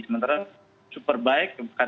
sementara superbaik karena